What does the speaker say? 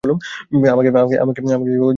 আমাকে ক্ষমা করে দিও, ব্লবি।